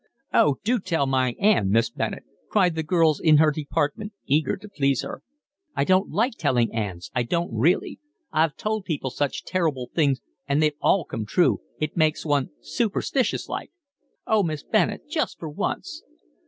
"Oh, do tell my 'and, Miss Bennett," cried the girls in her department, eager to please her. "I don't like telling 'ands, I don't really. I've told people such terrible things and they've all come true, it makes one superstitious like." "Oh, Miss Bennett, just for once."